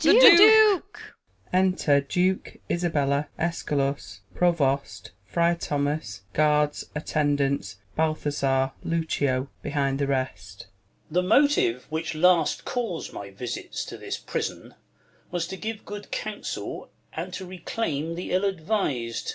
The Duke ! the Duke ! Enter Duke, Isabella, Eschalus, Provost, Friar Thomas, Guards, Attendants, Bal thazar, Lucio, behiiid the rest. Duke. The motive, Avhich last caus'd my visits To this prison, was to give good counsel and to Reclaim the ill advis d.